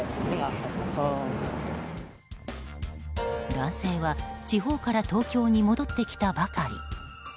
男性は地方から東京に戻ってきたばかり。